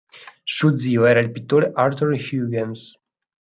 Suo zio era il pittore Arthur Hughes.